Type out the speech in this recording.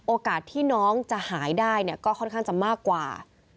โอกาสที่น้องจะหายได้เนี่ยก็ค่อนข้างจะมากกว่า